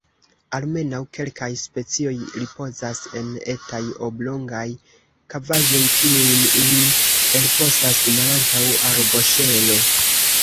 Almenaŭ kelkaj specioj ripozas en etaj oblongaj kavaĵoj kiujn ili elfosas malantaŭ arboŝelo.